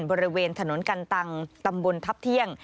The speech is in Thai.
บริเวณถนนกันตังตำบลทัพเที่ยง